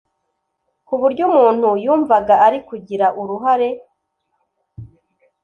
ku buryo umuntu yumvaga ari kugira uruhare